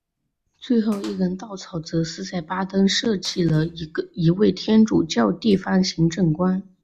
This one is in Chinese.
最后一根稻草则是在巴登设置了一位天主教地方行政官。